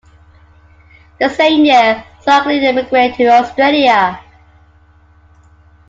The same year saw Glynn immigrate to Australia.